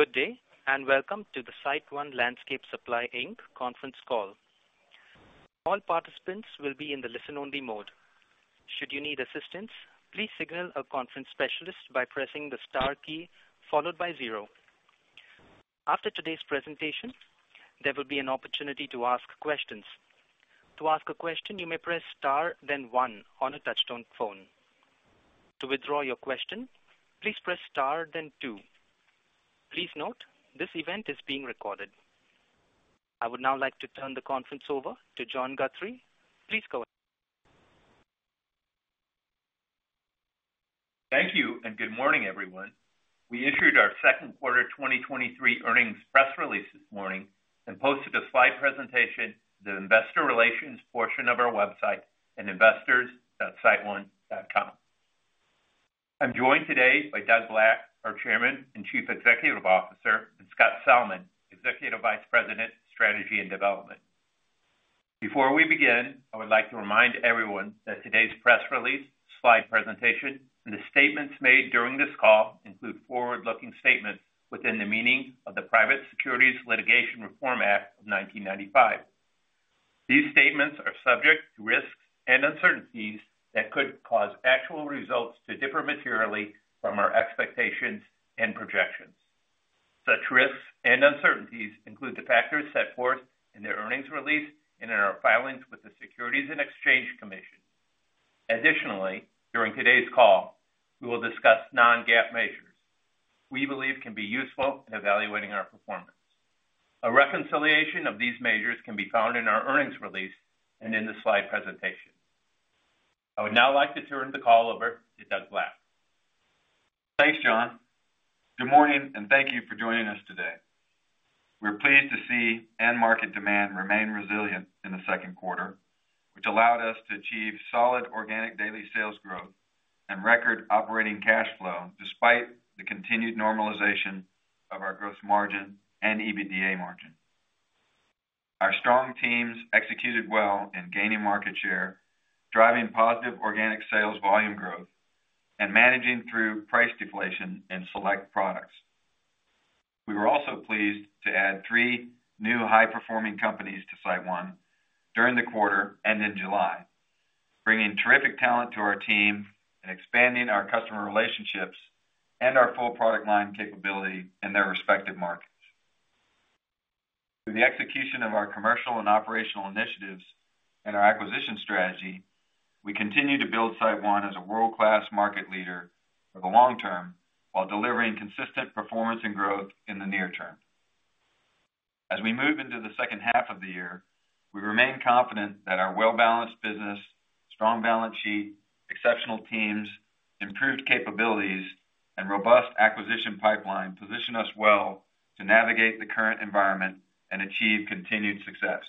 Good day, and Welcome to The SiteOne Landscape Supply, Inc. Conference Call. All participants will be in the listen-only mode. Should you need assistance, please signal a conference specialist by pressing the star key followed by zero. After today's presentation, there will be an opportunity to ask questions. To ask a question, you may press star, then one on a touchtone phone. To withdraw your question, please press star then two. Please note, this event is being recorded. I would now like to turn the conference over to John Guthrie. Please go ahead. Thank you. Good morning, everyone. We issued our second quarter 2023 earnings press release this morning and posted a slide presentation to the investor relations portion of our website at investors.siteone.com. I'm joined today by Doug Black, our Chairman and Chief Executive Officer, and Scott Salmon, Executive Vice President, Strategy and Development. Before we begin, I would like to remind everyone that today's press release, slide presentation, and the statements made during this call include forward-looking statements within the meaning of the Private Securities Litigation Reform Act of 1995. These statements are subject to risks and uncertainties that could cause actual results to differ materially from our expectations and projections. Such risks and uncertainties include the factors set forth in the earnings release and in our filings with the Securities and Exchange Commission. Additionally, during today's call, we will discuss non-GAAP measures we believe can be useful in evaluating our performance. A reconciliation of these measures can be found in our earnings release and in the slide presentation. I would now like to turn the call over to Doug Black. Thanks, John. Good morning, thank you for joining us today. We're pleased to see End Market demand remain resilient in the second quarter, which allowed us to achieve solid organic daily sales growth and record operating cash flow, despite the continued normalization of our growth margin and EBITDA margin. Our strong teams executed well in gaining market share, driving positive organic sales volume growth, and managing through price deflation in select products. We were also pleased to add three new high-performing companies to SiteOne during the quarter and in July, bringing terrific talent to our team and expanding our customer relationships and our full product line capability in their respective markets. Through the execution of our commercial and operational initiatives and our acquisition strategy, we continue to build SiteOne as a world-class market leader for the long term, while delivering consistent performance and growth in the near term. As we move into the second half of the year, we remain confident that our well-balanced business, strong balance sheet, exceptional teams, improved capabilities, and robust acquisition pipeline position us well to navigate the current environment and achieve continued success.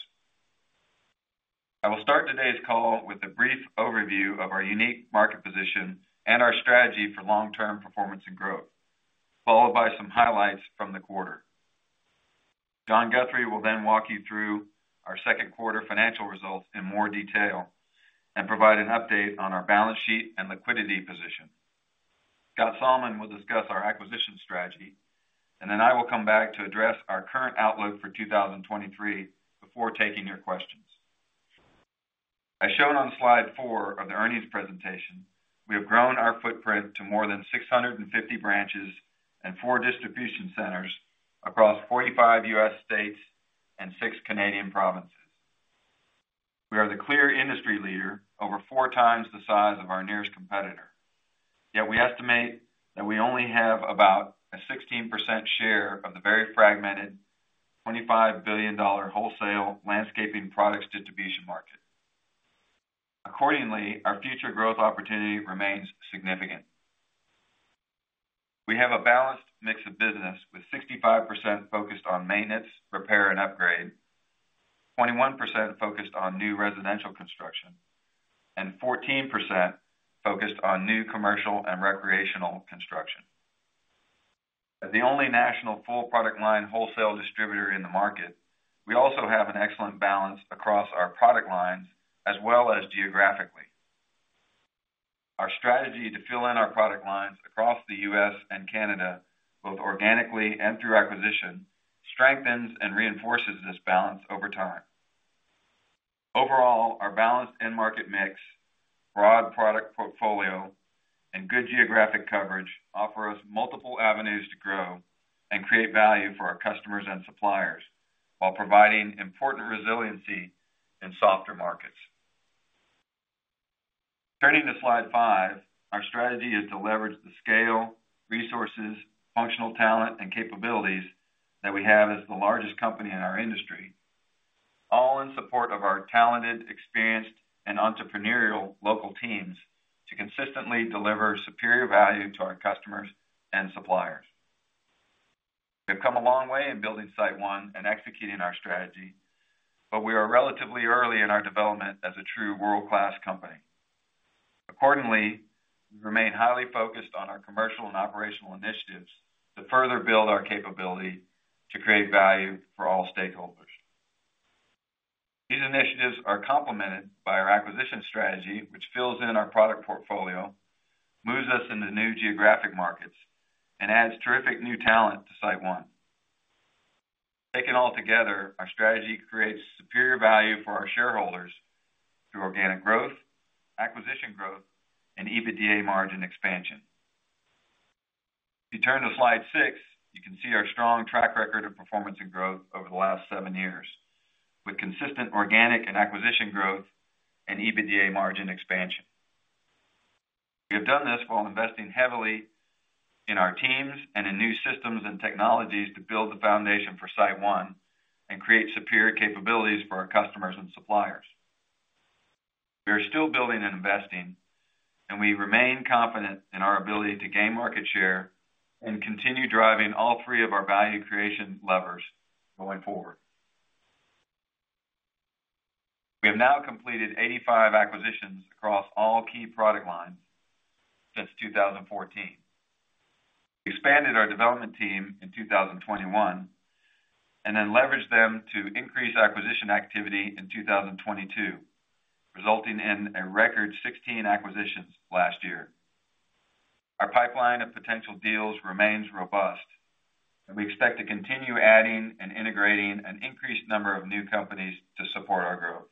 I will start today's call with a brief overview of our unique market position and our strategy for long-term performance and growth, followed by some highlights from the quarter. John Guthrie will walk you through our second quarter financial results in more detail and provide an update on our balance sheet and liquidity position. Scott Salmon will discuss our acquisition strategy, then I will come back to address our current outlook for 2023 before taking your questions. As shown on slide four of the earnings presentation, we have grown our footprint to more than 650 branches and four distribution centers across 45 U.S. states and six Canadian provinces. We are the clear industry leader, over four times the size of our nearest competitor, yet we estimate that we only have about a 16% share of the very fragmented, $25 billion wholesale landscaping products distribution market. Accordingly, our future growth opportunity remains significant. We have a balanced mix of business, with 65% focused on maintenance, repair, and upgrade, 21% focused on new residential construction, and 14% focused on new commercial and recreational construction. As the only national full product line wholesale distributor in the market, we also have an excellent balance across our product lines as well as geographically. Our strategy to fill in our product lines across the U.S. and Canada, both organically and through acquisition, strengthens and reinforces this balance over time. Overall, our balanced End Market mix, broad product portfolio, and good geographic coverage offer us multiple avenues to grow and create value for our customers and suppliers while providing important resiliency in softer markets. Turning to slide five, our strategy is to leverage the scale, resources, functional talent, and capabilities that we have as the largest company in our industry, all in support of our talented, experienced, and entrepreneurial local teams, to consistently deliver superior value to our customers and suppliers. We've come a long way in building SiteOne and executing our strategy, but we are relatively early in our development as a true world-class company. Accordingly, we remain highly focused on our commercial and operational initiatives to further build our capability to create value for all stakeholders. These initiatives are complemented by our acquisition strategy, which fills in our product portfolio, moves us into new geographic markets, and adds terrific new talent to SiteOne. Taken all together, our strategy creates superior value for our shareholders through organic growth, acquisition growth, and EBITDA margin expansion. If you turn to slide six, you can see our strong track record of performance and growth over the last seven years, with consistent organic and acquisition growth and EBITDA margin expansion. We have done this while investing heavily in our teams and in new systems and technologies to build the foundation for SiteOne and create superior capabilities for our customers and suppliers. We are still building and investing, and we remain confident in our ability to gain market share and continue driving all three of our value creation levers going forward. We have now completed 85 acquisitions across all Key Product lines since 2014. We expanded our development team in 2021, and then leveraged them to increase acquisition activity in 2022, resulting in a record 16 acquisitions last year. Our pipeline of potential deals remains robust, and we expect to continue adding and integrating an increased number of new companies to support our growth.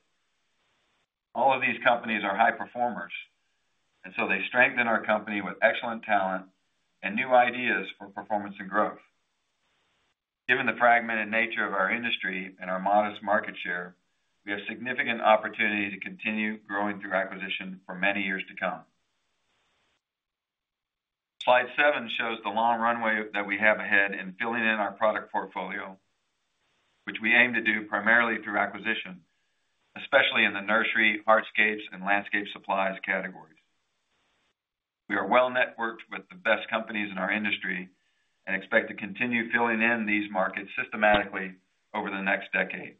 All of these companies are high performers, and so they strengthen our company with excellent talent and new ideas for performance and growth. Given the fragmented nature of our industry and our modest market share, we have significant opportunity to continue growing through acquisition for many years to come. Slide seven shows the long runway that we have ahead in filling in our product portfolio, which we aim to do primarily through acquisition, especially in the nursery, hardscapes, and landscape supplies categories. We are well-networked with the best companies in our industry and expect to continue filling in these markets systematically over the next decade.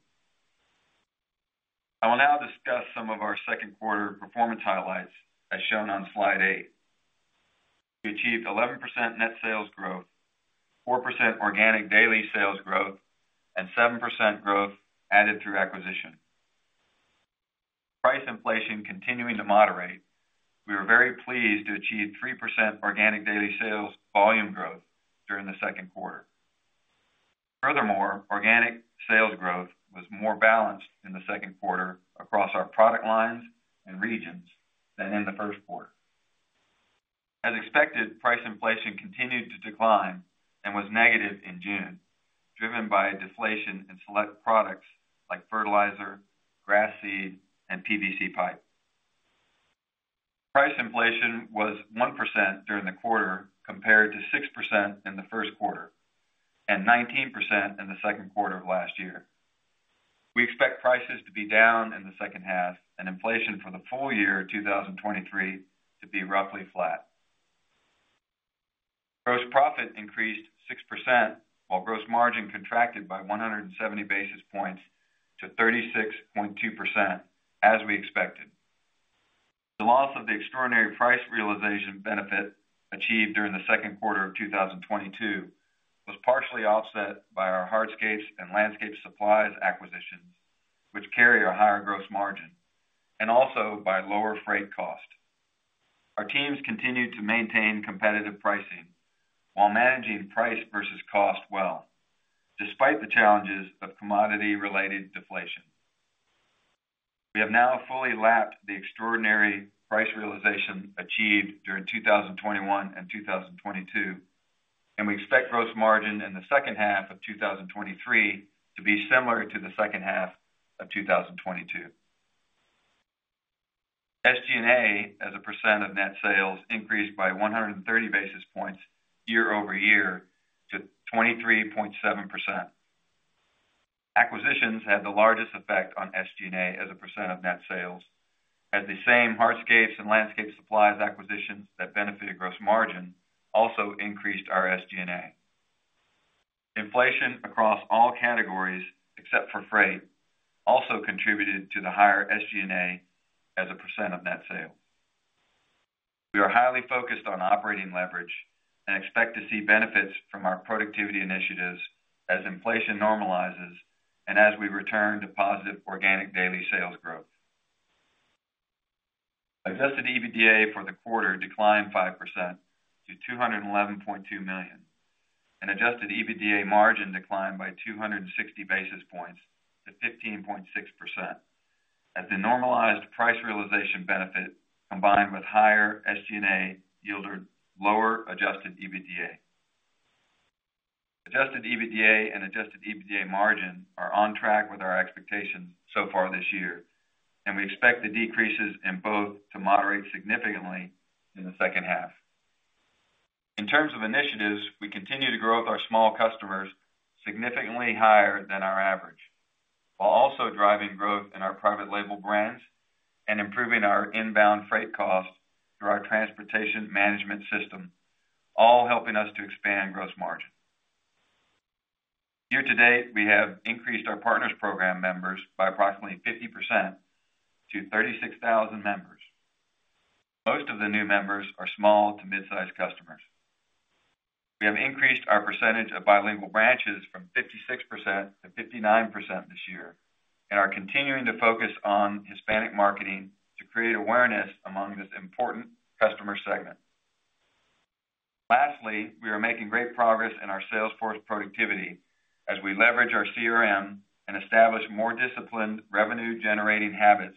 I will now discuss some of our second quarter performance highlights, as shown on slide eight. We achieved 11% net sales growth, 4% organic daily sales growth, and 7% growth added through acquisition. Price inflation continuing to moderate, we were very pleased to achieve 3% organic daily sales volume growth during the second quarter. Furthermore, organic sales growth was more balanced in the second quarter across our product lines and regions than in the first quarter. As expected, price inflation continued to decline and was negative in June, driven by deflation in select products like fertilizer, grass seed, and PVC pipe. Price inflation was 1% during the quarter, compared to 6% in the first quarter and 19% in the second quarter of last year. We expect prices to be down in the second half and inflation for the full year 2023 to be roughly flat. Gross profit increased 6%, while gross margin contracted by 170 basis points to 36.2%, as we expected. The loss of the extraordinary price realization benefit achieved during the second quarter of 2022 was partially offset by our hardscapes and landscape supplies acquisitions, which carry a higher gross margin, and also by lower freight cost. Our teams continued to maintain competitive pricing while managing price vs cost well, despite the challenges of commodity-related deflation. We have now fully lapped the extraordinary price realization achieved during 2021 and 2022. We expect gross margin in the second half of 2023 to be similar to the second half of 2022. SG&A, as a percent of net sales, increased by 130 basis points year-over-year to 23.7%. Acquisitions had the largest effect on SG&A as a percent of net sales, as the same hardscapes and landscape supplies acquisitions that benefited gross margin also increased our SG&A. Inflation across all categories, except for freight, also contributed to the higher SG&A as a % of net sale. We are highly focused on operating leverage and expect to see benefits from our productivity initiatives as inflation normalizes and as we return to positive organic daily sales growth. Adjusted EBITDA for the quarter declined 5% to $211.2 million, and adjusted EBITDA margin declined by 260 basis points to 15.6%, as the normalized price realization benefit, combined with higher SG&A, yielded lower adjusted EBITDA. Adjusted EBITDA and adjusted EBITDA margin are on track with our expectations so far this year, and we expect the decreases in both to moderate significantly in the second half. In terms of initiatives, we continue to grow with our small customers significantly higher than our average, while also driving growth in our private label brands and improving our inbound freight costs through our transportation management system, all helping us to expand gross margin. Year to date, we have increased our Partners Program members by approximately 50% to 36,000 members. Most of the new members are small to mid-sized customers.... We have increased our % of bilingual branches from 56% to 59% this year, and are continuing to focus on Hispanic marketing to create awareness among this important Customer segment. Lastly, we are making great progress in our sales force productivity as we leverage our CRM and establish more disciplined revenue-generating habits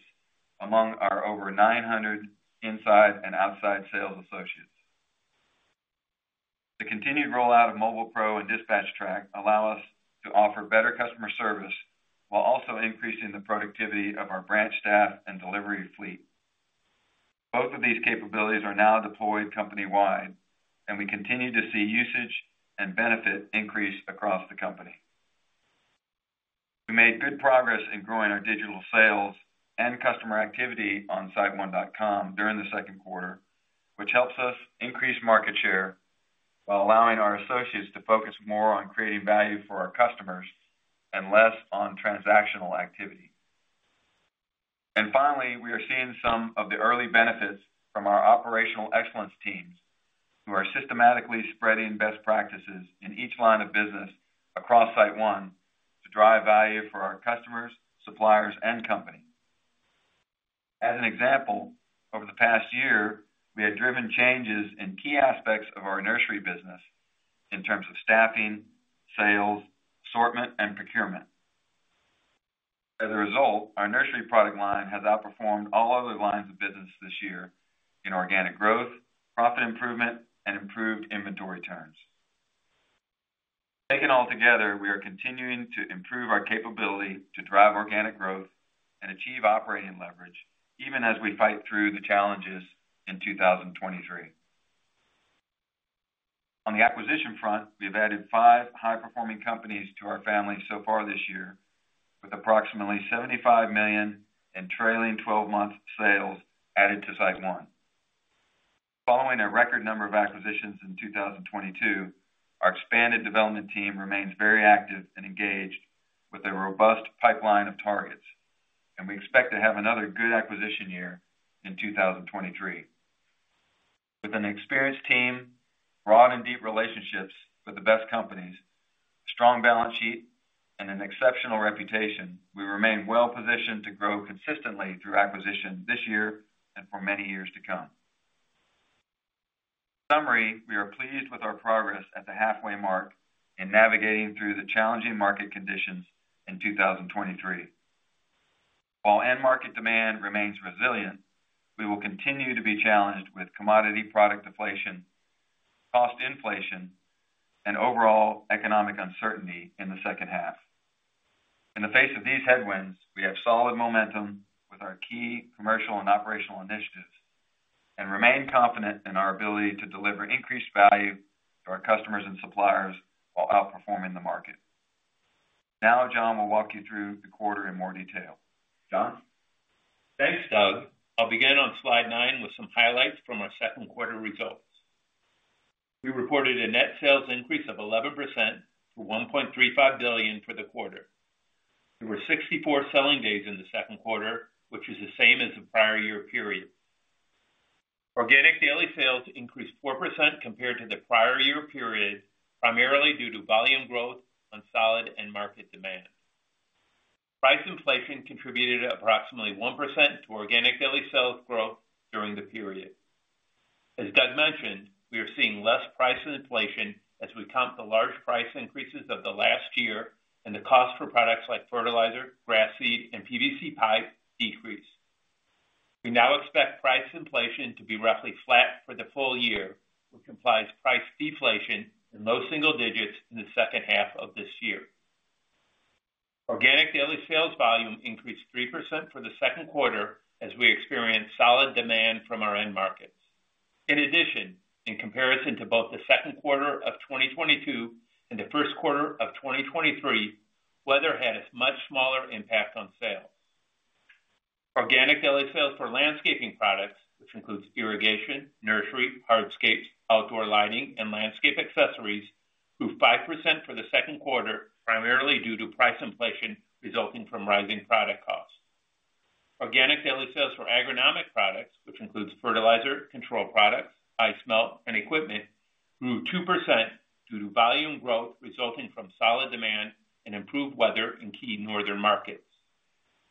among our over 900 inside and outside sales associates. The continued rollout of Mobile Pro and DispatchTrack allow us to offer better customer service, while also increasing the productivity of our branch staff and delivery fleet. Both of these capabilities are now deployed company-wide, and we continue to see usage and benefit increase across the company. We made good progress in growing our digital sales and customer activity on siteone.com during the second quarter, which helps us increase market share while allowing our associates to focus more on creating value for our customers and less on transactional activity. Finally, we are seeing some of the early benefits from our operational excellence teams, who are systematically spreading best practices in each line of business across SiteOne to drive value for our customers, suppliers, and company. As an example, over the past year, we have driven changes in key aspects of our nursery business in terms of staffing, sales, assortment, and procurement. As a result, our nursery product line has outperformed all other lines of business this year in organic growth, profit improvement, and improved inventory turns. Taken all together, we are continuing to improve our capability to drive organic growth and achieve operating leverage, even as we fight through the challenges in 2023. On the acquisition front, we have added 5 high-performing companies to our family so far this year, with approximately $75 million in trailing twelve-month sales added to SiteOne. Following a record number of acquisitions in 2022, our expanded development team remains very active and engaged with a robust pipeline of targets, and we expect to have another good acquisition year in 2023. With an experienced team, broad and deep relationships with the best companies, strong balance sheet, and an exceptional reputation, we remain well positioned to grow consistently through acquisition this year and for many years to come. Summary, we are pleased with our progress at the halfway mark in navigating through the challenging market conditions in 2023. While End Market demand remains resilient, we will continue to be challenged with commodity product deflation, cost inflation, and overall economic uncertainty in the second half. In the face of these headwinds, we have solid momentum with our key commercial and operational initiatives, and remain confident in our ability to deliver increased value to our customers and suppliers while outperforming the market. John will walk you through the quarter in more detail. John? Thanks, Doug. I'll begin on slide nine with some highlights from our second quarter results. We reported a net sales increase of 11% to $1.35 billion for the quarter. There were 64 selling days in the second quarter, which is the same as the prior year period. Organic daily sales increased 4% compared to the prior year period, primarily due to volume growth on solid End Market demand. Price inflation contributed approximately 1% to organic daily sales growth during the period. As Doug mentioned, we are seeing less price inflation as we count the large price increases of the last year, and the cost for products like fertilizer, grass seed, and PVC pipe decrease. We now expect price inflation to be roughly flat for the full year, which implies price deflation in low single digits in the second half of this year. Organic daily sales volume increased 3% for the second quarter, as we experienced solid demand from our End Markets. In addition, in comparison to both the second quarter of 2022 and the first quarter of 2023, weather had a much smaller impact on sales. Organic daily sales for landscaping products, which includes irrigation, nursery, hardscapes, outdoor lighting, and Landscape Accessories, grew 5% for the second quarter, primarily due to price inflation resulting from rising product costs. Organic daily sales for agronomic products, which includes fertilizer, control products, ice melt, and equipment, grew 2% due to volume growth resulting from solid demand and improved weather in key northern markets.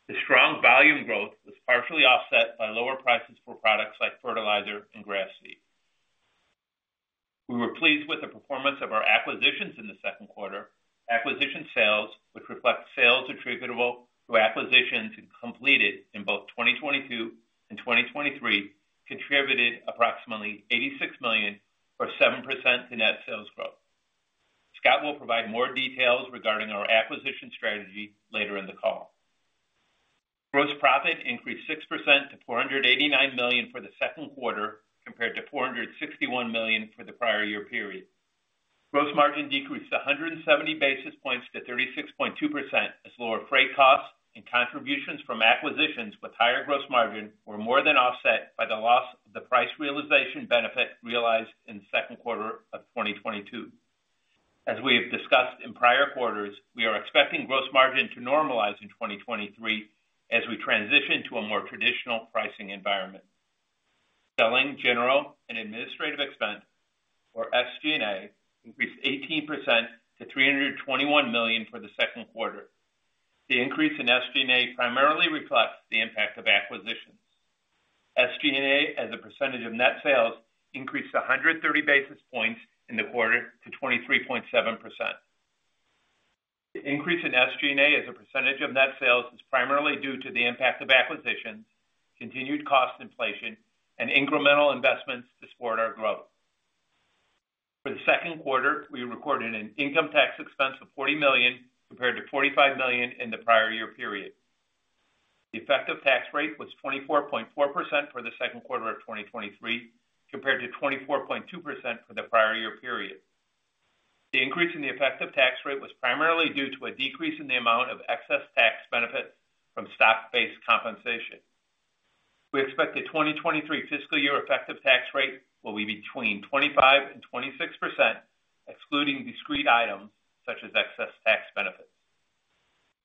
The strong volume growth was partially offset by lower prices for products like fertilizer and grass seed. We were pleased with the performance of our acquisitions in the second quarter. Acquisition sales, which reflect sales attributable to acquisitions completed in both 2022 and 2023, contributed approximately $86 million, or 7% to net sales growth. Scott will provide more details regarding our acquisition strategy later in the call. Gross profit increased 6% to $489 million for the second quarter, compared to $461 million for the prior year period. Gross margin decreased 170 basis points to 36.2%, as lower freight costs and contributions from acquisitions with higher gross margin were more than offset by the loss of the price realization benefit realized in the second quarter of 2022. As we have discussed in prior quarters, we are expecting gross margin to normalize in 2023 as we transition to a more traditional pricing environment. Selling, general, and administrative expense, or SG&A, increased 18% to $321 million for the second quarter. The increase in SG&A primarily reflects the impact of acquisitions. SG&A, as a % of net sales, increased 130 basis points in the quarter to 23.7%. The increase in SG&A as a % of net sales, is primarily due to the impact of acquisitions, continued cost inflation, and incremental investments to support our growth. For the second quarter, we recorded an income tax expense of $40 million, compared to $45 million in the prior year period. The effective tax rate was 24.4% for the second quarter of 2023, compared to 24.2% for the prior year period. The increase in the effective tax rate was primarily due to a decrease in the amount of excess tax benefits from stock-based compensation. We expect the 2023 fiscal year effective tax rate will be between 25% and 26%, excluding discrete items such as excess tax benefits.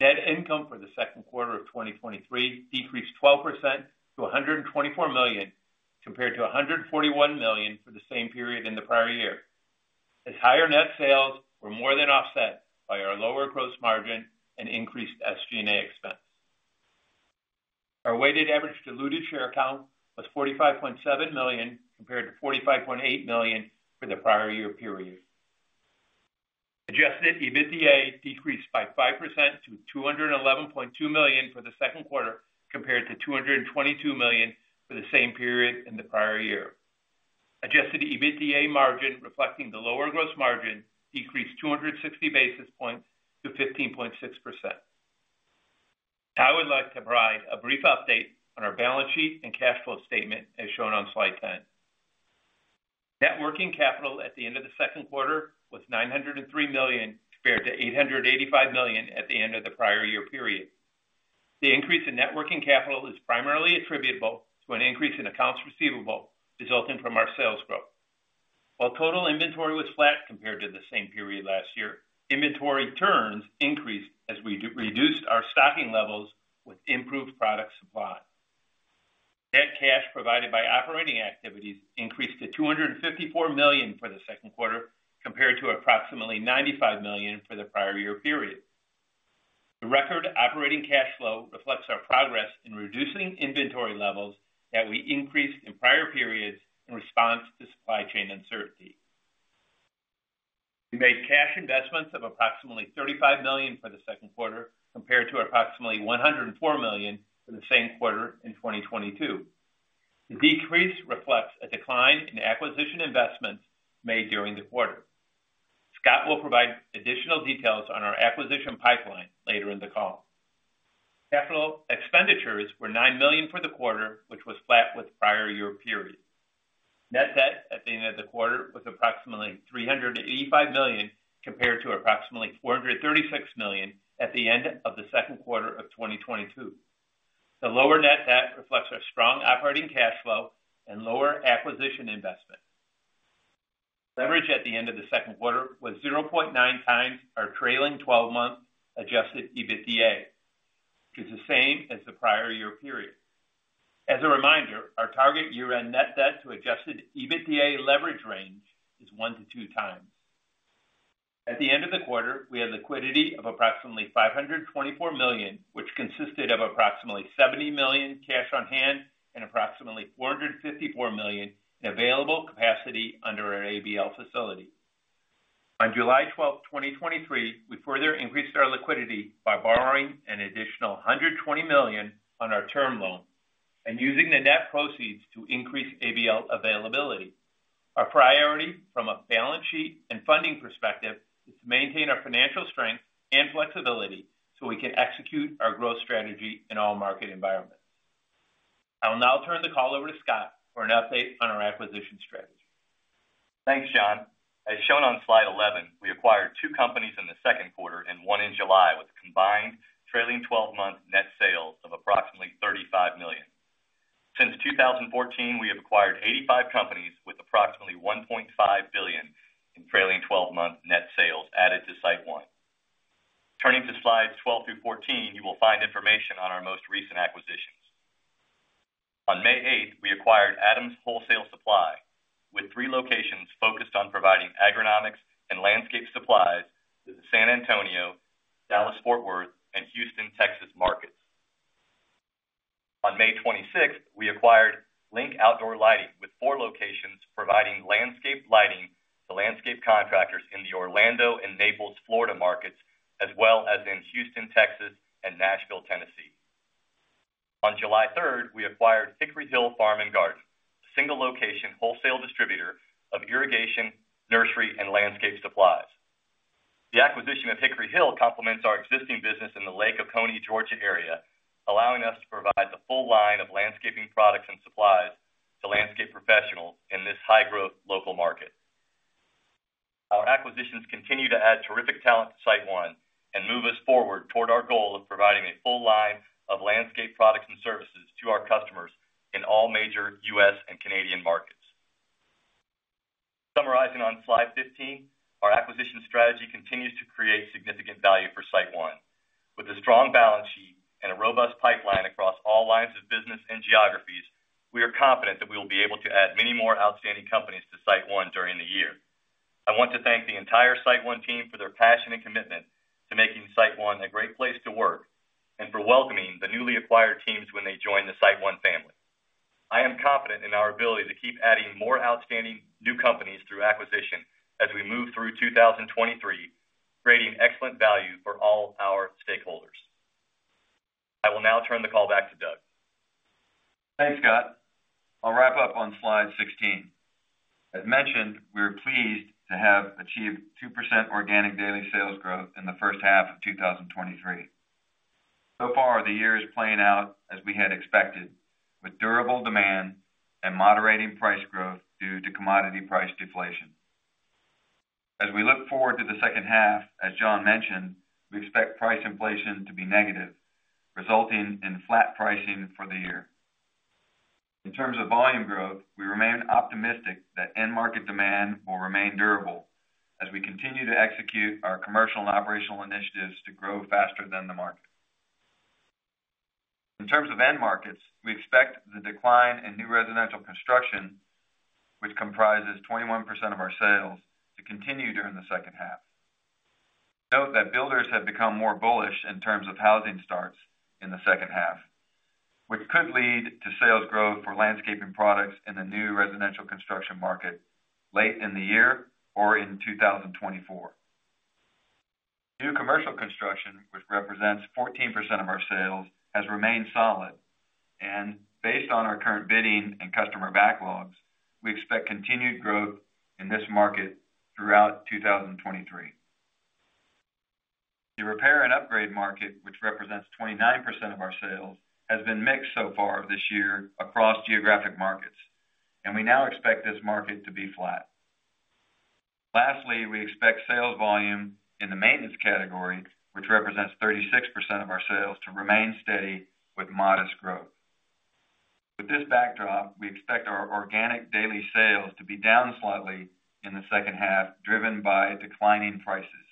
Net income for the second quarter of 2023 decreased 12% to $124 million, compared to $141 million for the same period in the prior year, as higher net sales were more than offset by our lower gross margin and increased SG&A expense. Our weighted average diluted share count was 45.7 million, compared to 45.8 million for the prior year period. Adjusted EBITDA decreased by 5% to $211.2 million for the second quarter, compared to $222 million for the same period in the prior year. Adjusted EBITDA margin, reflecting the lower gross margin, decreased 260 basis points to 15.6%. Now, I would like to provide a brief update on our balance sheet and cash flow statement, as shown on slide 10. Net working capital at the end of the second quarter was $903 million, compared to $885 million at the end of the prior year period. The increase in net working capital is primarily attributable to an increase in accounts receivable resulting from our sales growth. While total inventory was flat compared to the same period last year, inventory turns increased as we reduced our stocking levels with improved product supply. Net cash provided by operating activities increased to $254 million for the second quarter, compared to approximately $95 million for the prior year period. The record operating cash flow reflects our progress in reducing inventory levels that we increased in prior periods in response to supply chain uncertainty. We made cash investments of approximately $35 million for the second quarter, compared to approximately $104 million for the same quarter in 2022. The decrease reflects a decline in acquisition investments made during the quarter. Scott will provide additional details on our acquisition pipeline later in the call. Capital expenditures were $9 million for the quarter, which was flat with prior year period. Net debt at the end of the quarter was approximately $385 million, compared to approximately $436 million at the end of the second quarter of 2022. The lower net debt reflects our strong operating cash flow and lower acquisition investment. Leverage at the end of the second quarter was 0.9x our trailing 12-month adjusted EBITDA, which is the same as the prior year period. As a reminder, our target year-end net debt to adjusted EBITDA leverage range is 1-2x. At the end of the quarter, we had liquidity of approximately $524 million, which consisted of approximately $70 million cash on hand and approximately $454 million in available capacity under our ABL facility. On July 12, 2023, we further increased our liquidity by borrowing an additional $120 million on our term loan and using the net proceeds to increase ABL availability. Our priority from a balance sheet and funding perspective is to maintain our financial strength and flexibility, so we can execute our growth strategy in all market environments. I will now turn the call over to Scott for an update on our acquisition strategy. Thanks, John. As shown on slide 11, we acquired two companies in the second quarter and 1 in July, with combined trailing 12-month net sales of approximately $35 million. Since 2014, we have acquired 85 companies with approximately $1.5 billion in trailing 12-month net sales added to SiteOne. Turning to slides 12 through 14, you will find information on our most recent acquisitions. On May 8th, we acquired Adams Wholesale Supply, with three locations focused on providing agronomics and landscape supplies to the San Antonio, Dallas-Fort Worth, and Houston, Texas markets. On May 26th, we acquired Link Outdoor Lighting, with four locations providing Landscape lighting to Landscape contractors in the Orlando and Naples, Florida markets, as well as in Houston, Texas, and Nashville, Tennessee. On July 3rd, we acquired Hickory Hill Farm & Garden, a single location, wholesale distributor of irrigation, nursery, and landscape supplies. The acquisition of Hickory Hill complements our existing business in the Lake Oconee, Georgia, area, allowing us to provide the full line of landscaping products and supplies to Landscape professionals in this high-growth local market. Our acquisitions continue to add terrific talent to SiteOne. Forward toward our goal of providing a full line of Landscape products and services to our customers in all major U.S. and Canadian markets. Summarizing on slide 15, our acquisition strategy continues to create significant value for SiteOne. With a strong balance sheet and a robust pipeline across all lines of business and geographies, we are confident that we will be able to add many more outstanding companies to SiteOne during the year. I want to thank the entire SiteOne team for their passion and commitment to making SiteOne a great place to work and for welcoming the newly acquired teams when they join the SiteOne family. I am confident in our ability to keep adding more outstanding new companies through acquisition as we move through 2023, creating excellent value for all our stakeholders. I will now turn the call back to Doug. Thanks, Scott. I'll wrap up on slide 16. As mentioned, we are pleased to have achieved 2% organic daily sales growth in the first half of 2023. So far, the year is playing out as we had expected, with durable demand and moderating price growth due to commodity price deflation. As we look forward to the second half, as John mentioned, we expect price inflation to be negative, resulting in flat pricing for the year. In terms of volume growth, we remain optimistic that End Market demand will remain durable as we continue to execute our commercial and operational initiatives to grow faster than the market. In terms of End Markets, we expect the decline in new residential construction, which comprises 21% of our sales, to continue during the second half. Note that builders have become more bullish in terms of housing starts in the second half, which could lead to sales growth for landscaping products in the new residential construction market late in the year or in 2024. New commercial construction, which represents 14% of our sales, has remained solid, and based on our current bidding and customer backlogs, we expect continued growth in this market throughout 2023. The Repair and Upgrade market, which represents 29% of our sales, has been mixed so far this year across geographic markets, and we now expect this market to be flat. Lastly, we expect sales volume in the maintenance category, which represents 36% of our sales, to remain steady with modest growth. With this backdrop, we expect our organic daily sales to be down slightly in the second half, driven by declining prices.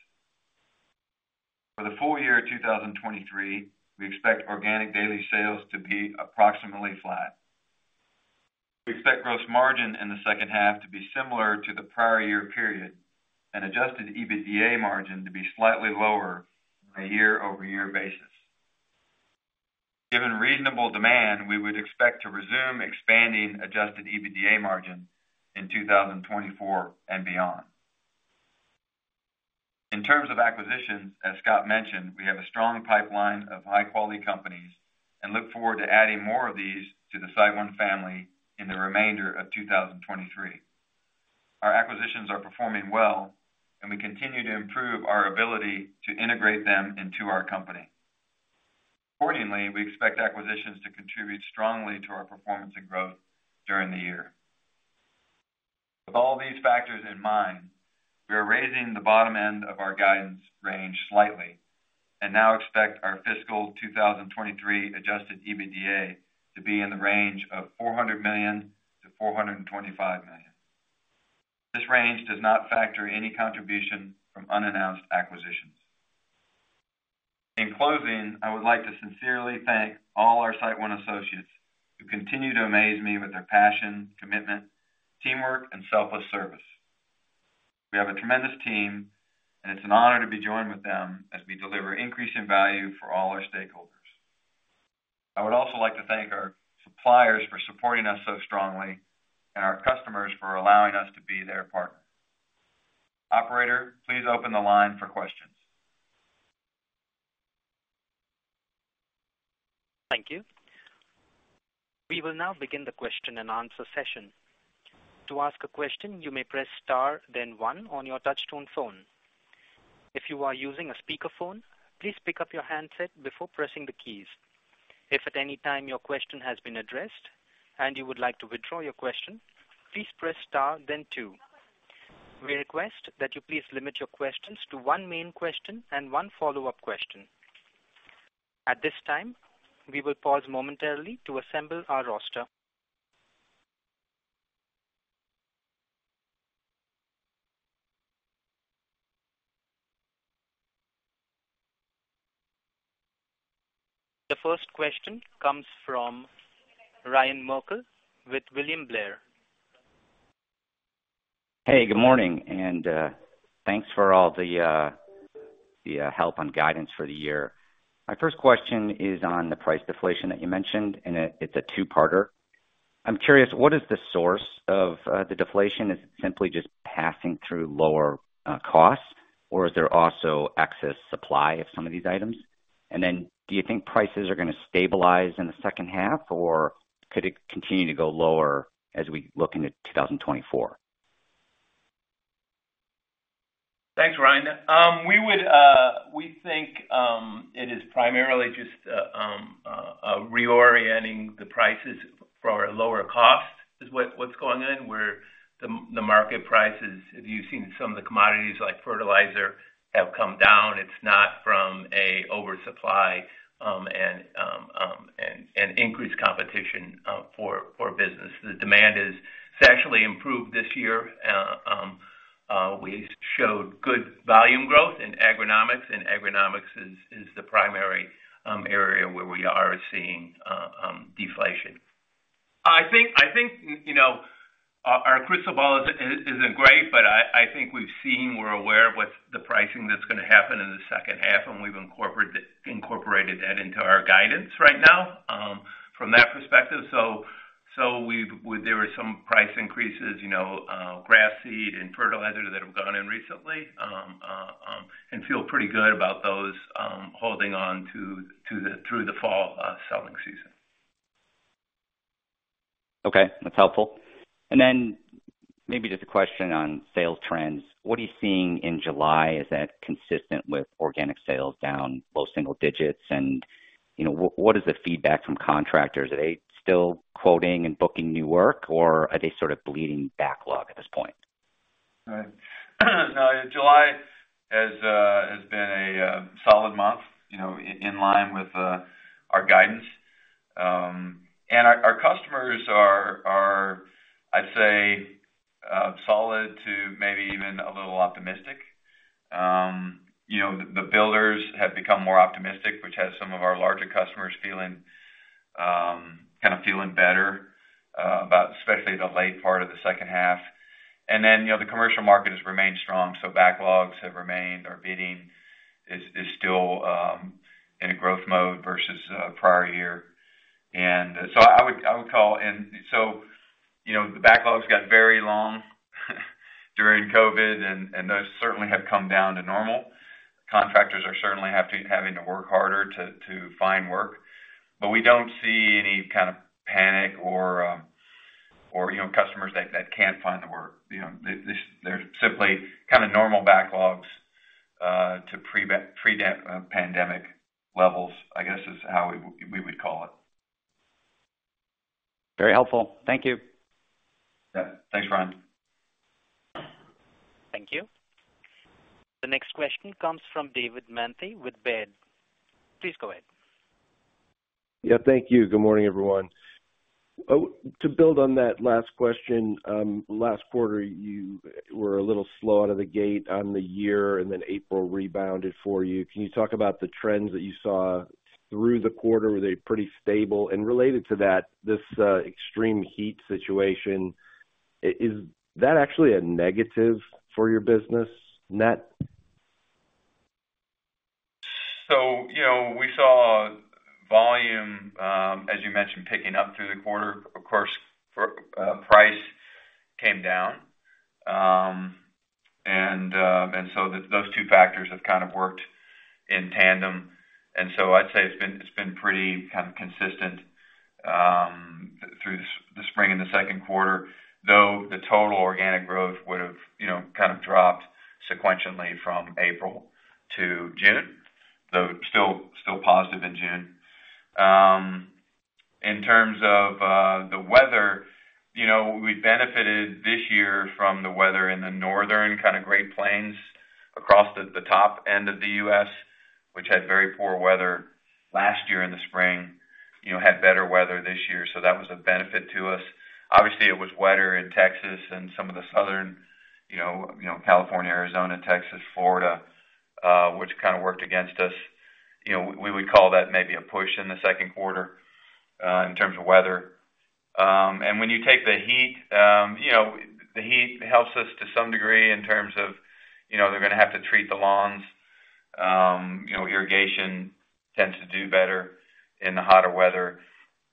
For the full year 2023, we expect organic daily sales to be approximately flat. We expect gross margin in the second half to be similar to the prior year period and adjusted EBITDA margin to be slightly lower on a year-over-year basis. Given reasonable demand, we would expect to resume expanding adjusted EBITDA margin in 2024 and beyond. In terms of acquisitions, as Scott mentioned, we have a strong pipeline of high-quality companies and look forward to adding more of these to the SiteOne family in the remainder of 2023. Our acquisitions are performing well, and we continue to improve our ability to integrate them into our company. Accordingly, we expect acquisitions to contribute strongly to our performance and growth during the year. With all these factors in mind, we are raising the bottom end of our guidance range slightly and now expect our fiscal 2023 adjusted EBITDA to be in the range of $400 million-$425 million. This range does not factor any contribution from unannounced acquisitions. In closing, I would like to sincerely thank all our SiteOne associates, who continue to amaze me with their passion, commitment, teamwork, and selfless service. We have a tremendous team, and it's an honor to be joined with them as we deliver increasing value for all our stakeholders. I would also like to thank our suppliers for supporting us so strongly and our customers for allowing us to be their partner. Operator, please open the line for questions. Thank you. We will now begin the question-and-answer session. To ask a question, you may press star then one on your touch-tone phone. If you are using a speakerphone, please pick up your handset before pressing the keys. If at any time your question has been addressed and you would like to withdraw your question, please press star then two. We request that you please limit your questions to one main question and one follow-up question. At this time, we will pause momentarily to assemble our roster. The first question comes from Ryan Merkel with William Blair. Hey, good morning, and thanks for all the, the help and guidance for the year. My first question is on the price deflation that you mentioned, and it, it's a two-parter. I'm curious, what is the source of the deflation? Is it simply just passing through lower costs, or is there also excess supply of some of these items? Then do you think prices are gonna stabilize in the second half, or could it continue to go lower as we look into 2024? Thanks, Ryan. We would, we think, it is primarily just reorienting the prices for a lower cost is what, what's going on, where the, the market prices, if you've seen some of the commodities, like fertilizer, have come down, it's not from a oversupply, and, and increased competition, for, for business. The demand is actually improved this year. We showed good volume growth in agronomics, and agronomics is, is the primary area where we are seeing deflation. I think, I think, you know, our, our crystal ball is, is, isn't great, but I, I think we've seen, we're aware of what's the pricing that's gonna happen in the second half, and we've incorporated that into our guidance right now, from that perspective. There were some price increases, you know, grass, seed and fertilizer that have gone in recently, and feel pretty good about those, holding on to, to the, through the fall selling season. Okay, that's helpful. Then maybe just a question on sales trends. What are you seeing in July? Is that consistent with organic sales down low single digits? You know, what is the feedback from contractors? Are they still quoting and booking new work, or are they sort of bleeding backlog at this point? Right. No, July has been a solid month, you know, in line with our guidance. Our, our customers are, are, I'd say, solid to maybe even a little optimistic. You know, the, the builders have become more optimistic, which has some of our larger customers feeling kind of feeling better about especially the late part of the second half. You know, the commercial market has remained strong, so backlogs have remained. Our bidding is, is still in a growth mode vs prior year. I would, I would call... You know, the backlogs got very long during COVID, and, and those certainly have come down to normal. Contractors are certainly having to work harder to, to find work, but we don't see any kind of panic or, or, you know, customers that, that can't find the work. You know, this, there's simply kind of normal backlogs to pre-pandemic levels, I guess, is how we, we would call it. Very helpful. Thank you. Yeah. Thanks, Ryan. Thank you. The next question comes from David Manthey with Baird. Please go ahead. Yeah, thank you. Good morning, everyone. To build on that last question, last quarter, you were a little slow out of the gate on the year, and then April rebounded for you. Can you talk about the trends that you saw through the quarter? Were they pretty stable? Related to that, this extreme heat situation, is that actually a negative for your business net? You know, we saw volume, as you mentioned, picking up through the quarter. Of course, for, price came down. Those two factors have kind of worked in tandem, and so I'd say it's been, it's been pretty kind of consistent through the spring and the second quarter, though the total organic growth would have, you know, kind of dropped sequentially from April to June, though, still, still positive in June. In terms of the weather, you know, we benefited this year from the weather in the northern kind of Great Plains across the, the top end of the U.S., which had very poor weather last year in the spring. You know, had better weather this year, so that was a benefit to us. Obviously, it was wetter in Texas and some of the southern, you know, you know, California, Arizona, Texas, Florida, which kind of worked against us. You know, we would call that maybe a push in the second quarter in terms of weather. When you take the heat, you know, the heat helps us to some degree in terms of, you know, they're gonna have to treat the lawns. You know, irrigation tends to do better in the hotter weather.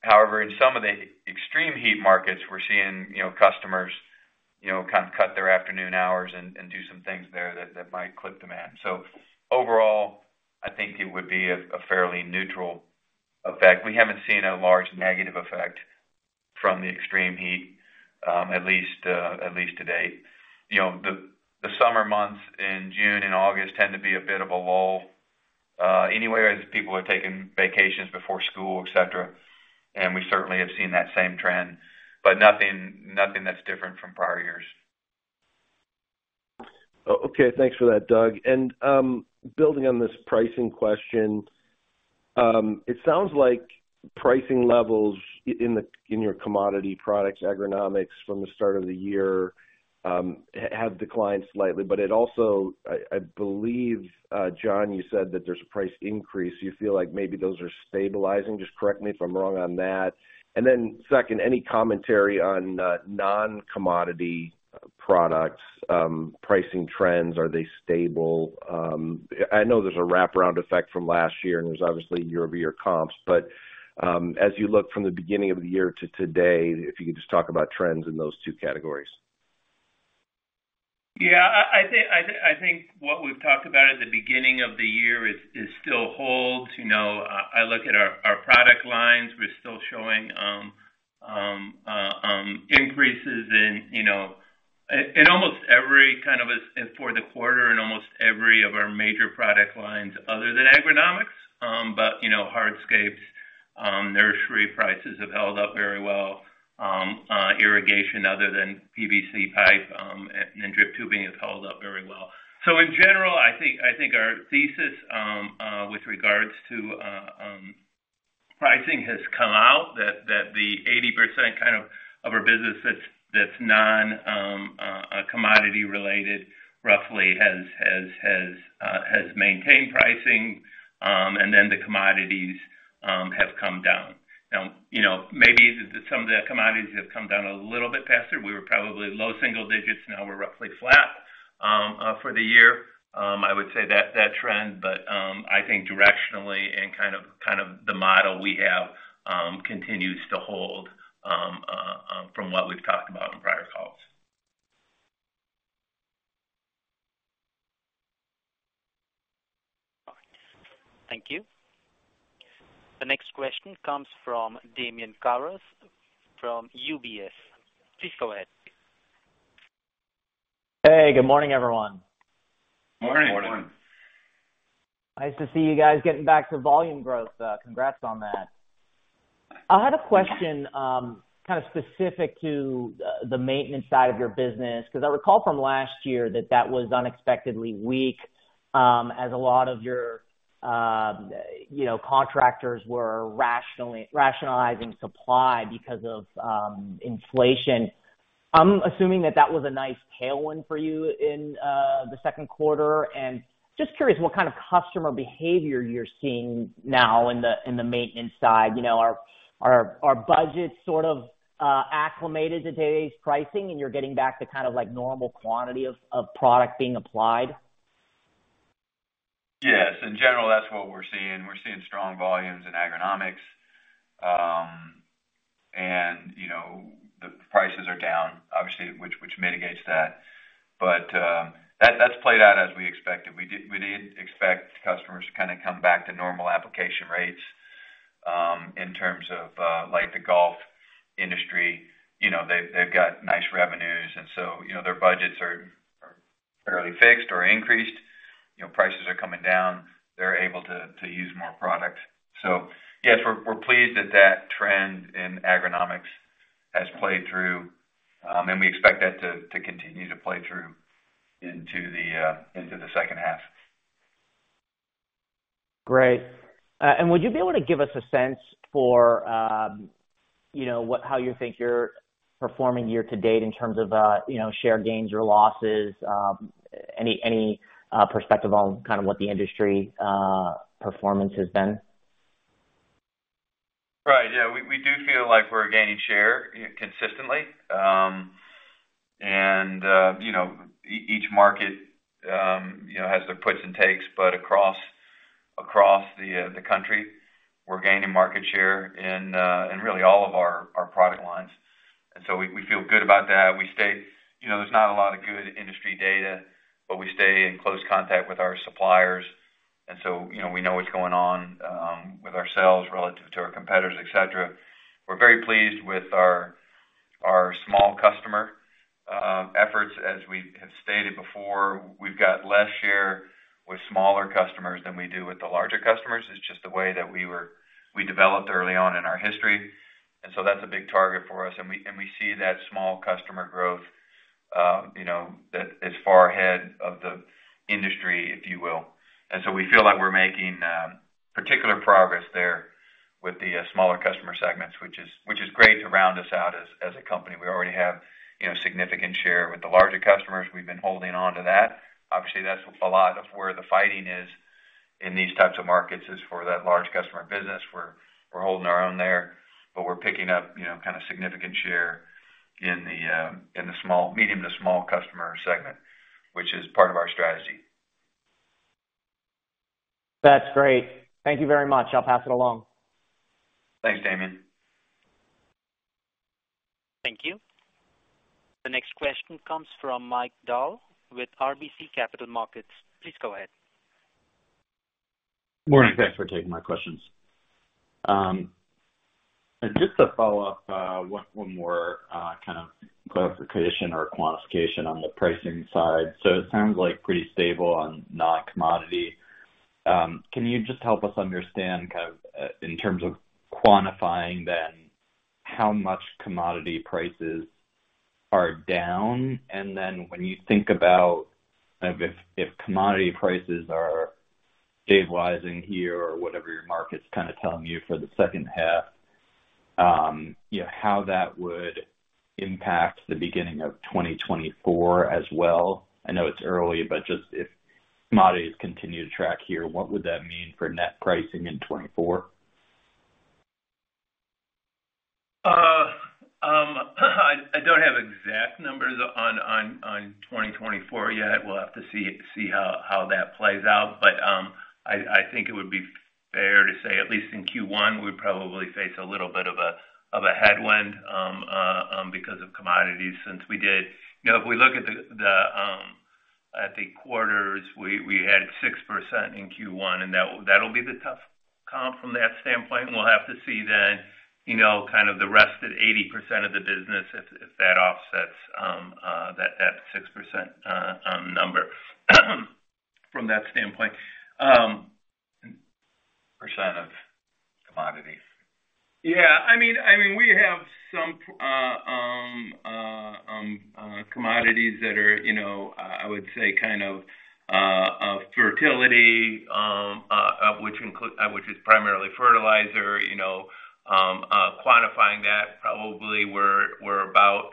However, in some of the extreme heat markets, we're seeing, you know, customers, you know, kind of cut their afternoon hours and, and do some things there that, that might clip demand. Overall, I think it would be a, a fairly neutral effect. We haven't seen a large negative effect from the extreme heat, at least, at least to date. You know, the, the summer months in June and August tend to be a bit of a lull, anywhere as people are taking vacations before school, et cetera. We certainly have seen that same trend, but nothing, nothing that's different from prior years. Okay, thanks for that, Doug. Building on this pricing question, it sounds like pricing levels in your commodity products, agronomics, from the start of the year, have declined slightly, but it also, I, I believe, John, you said that there's a price increase. You feel like maybe those are stabilizing? Just correct me if I'm wrong on that. Then second, any commentary on non-commodity products, pricing trends, are they stable? I know there's a wraparound effect from last year, and there's obviously year-over-year comps, but, as you look from the beginning of the year to today, if you could just talk about trends in those two categories. Yeah, I think what we've talked about at the beginning of the year is still holds. You know, I look at our product lines. We're still showing.... increases in, you know, in, in almost every kind of for the quarter, in almost every of our major product lines other than agronomics. You know, hardscapes, nursery prices have held up very well. Irrigation other than PVC pipe, and drip tubing has held up very well. In general, I think, I think our thesis with regards to pricing has come out, that the 80% kind of our business that's, that's non commodity related, roughly has, has, has maintained pricing, and then the commodities have come down. You know, maybe some of the commodities have come down a little bit faster. We were probably low single digits, now we're roughly flat for the year. I would say that, that trend, but, I think directionally and kind of, kind of the model we have, continues to hold, from what we've talked about in prior calls. Thank you. The next question comes from Damian Karas from UBS. Please go ahead. Hey, good morning, everyone. Morning. Morning. Nice to see you guys getting back to volume growth. Congrats on that. I had a question, kind of specific to the, the maintenance side of your business, because I recall from last year that that was unexpectedly weak, as a lot of your, you know, contractors were rationalizing supply because of inflation. I'm assuming that that was a nice tailwind for you in the second quarter, and just curious what kind of customer behavior you're seeing now in the, in the maintenance side. You know, are, are, are budgets sort of, acclimated to today's pricing, and you're getting back to kind of like normal quantity of, of product being applied? Yes, in general, that's what we're seeing. We're seeing strong volumes in agronomics. You know, the prices are down, obviously, which, which mitigates that. That's played out as we expected. We did, we did expect customers to kind of come back to normal application rates, in terms of, like the golf industry. You know, they've, they've got nice revenues, so, you know, their budgets are, are fairly fixed or increased. You know, prices are coming down, they're able to, to use more product. Yes, we're, we're pleased that that trend in agronomics has played through, we expect that to, to continue to play through into the, into the second half. Great. Would you be able to give us a sense for, you know, how you think you're performing year to date in terms of, you know, share gains or losses? Any perspective on kind of what the industry, performance has been? Right. Yeah, we, we do feel like we're gaining share consistently. You know, each market, you know, has their puts and takes, but across, across the country, we're gaining market share in really all of our, our product lines. We, we feel good about that. We stay... You know, there's not a lot of good industry data, but we stay in close contact with our suppliers, you know, we know what's going on with ourselves relative to our competitors, et cetera. We're very pleased with our, our small customer efforts. As we have stated before, we've got less share with smaller customers than we do with the larger customers. It's just the way that we developed early on in our history, that's a big target for us. We, and we see that small customer growth, you know, that is far ahead of the industry, if you will. We feel like we're making particular progress there with the smaller Customer segments, which is, which is great to round us out as, as a company. We already have, you know, significant share with the larger customers. We've been holding on to that. Obviously, that's a lot of where the fighting is in these types of markets, is for that large customer business. We're, we're holding our own there, but we're picking up, you know, kind of significant share in the small-- medium to small Customer segment, which is part of our strategy. That's great. Thank you very much. I'll pass it along. Thanks, Damian. Thank you. The next question comes from Mike Dahl with RBC Capital Markets. Please go ahead. Morning. Thanks for taking my questions. Just a follow-up, one, one more kind of clarification or quantification on the pricing side. It sounds like pretty stable on non-commodity. Can you just help us understand kind of in terms of quantifying then, how much commodity prices are down? Then when you think about if, if commodity prices are stabilizing here or whatever your market's kind of telling you for the second half, you know, how that would impact the beginning of 2024 as well? I know it's early, but just if commodities continue to track here, what would that mean for net pricing in 2024? I, I don't have exact numbers on, on, on 2024 yet. We'll have to see, see how, how that plays out. I, I think it would be fair to say, at least in Q1, we'd probably face a little bit of a, of a headwind because of commodities, since we did... You know, if we look at the, the quarters, we, we had 6% in Q1, and that, that'll be the tough comp from that standpoint. We'll have to see then, you know, kind of the rest of 80% of the business, if, if that offsets that, that 6% number, from that standpoint. % of commodities. Yeah, I mean, I mean, we have some commodities that are, you know, I would say, kind of, of fertility, which is primarily fertilizer, you know, quantifying that probably we're about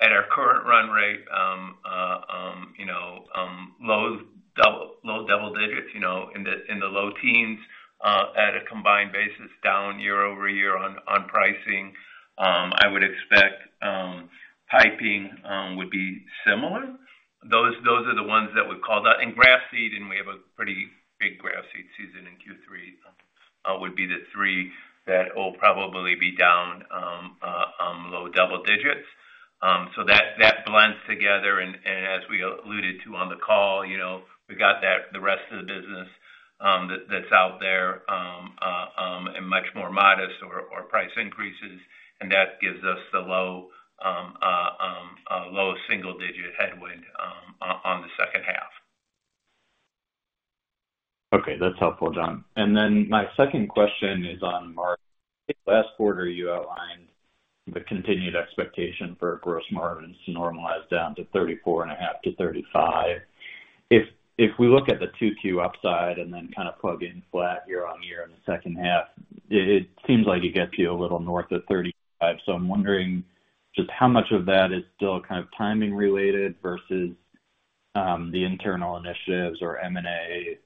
at our current run rate, you know, low double digits, you know, in the low teens, at a combined basis, down year-over-year on pricing. I would expect piping would be similar. Those, those are the ones that would call that. Grass seed, and we have a pretty big grass seed season in Q3, would be the three that will probably be down low double digits. That, that blends together, and as we alluded to on the call, you know, we got that, the rest of the business, that, that's out there, in much more modest or, or price increases, and that gives us the low low single-digit headwind on the second half. Okay, that's helpful, John. Then my second question is on margins. Last quarter, you outlined the continued expectation for gross margins to normalize down to 34.5%-35%. If we look at the 2Q upside and then kind of plug in flat year-over-year in the second half, it seems like it gets you a little north of 35%. So I'm wondering just how much of that is still kind of timing related vs, the internal initiatives or M&A,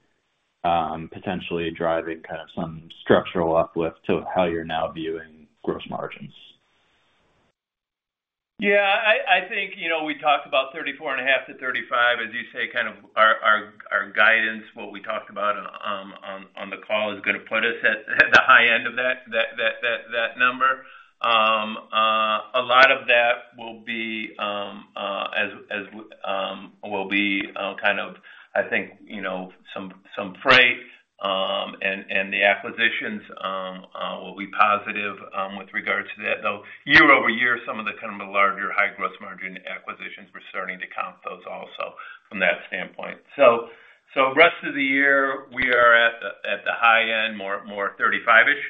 potentially driving kind of some structural uplift to how you're now viewing gross margins? Yeah, I, I think, you know, we talked about 34.5%-35%, as you say, kind of our, our, our guidance, what we talked about, on, on the call, is gonna put us at, at the high end of that, that, that, that, that number. A lot of that will be, as, as, will be, kind of, I think, you know, some, some freight, and, and the acquisitions, will be positive, with regards to that, though. Year-over-year, some of the kind of the larger high gross margin acquisitions, we're starting to comp those also from that standpoint. Rest of the year, we are at the, at the high end, more, more 35%-ish,